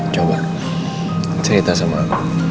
coba cerita sama aku